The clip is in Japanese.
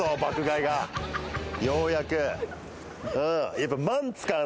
やっぱ。